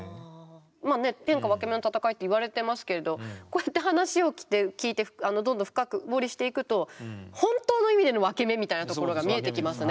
まあね天下分け目の戦いって言われてますけれどこうやって話を聞いてどんどん深掘りしていくと本当の意味での分け目みたいなところが見えてきますね。